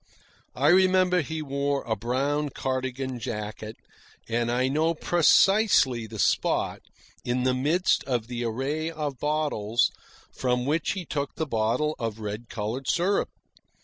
I remember he wore a brown Cardigan jacket, and I know precisely the spot, in the midst of the array of bottles, from which he took the bottle of red coloured syrup.